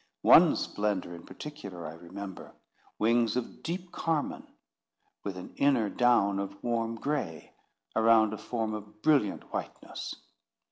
One splendour, in particular, I remember—wings of deep carmine, with an inner down of warm gray, around a form of brilliant whiteness.